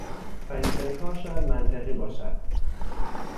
تا اینجای کار شاید منطقی باشد